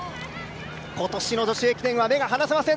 今年の女子駅伝は目が離せません。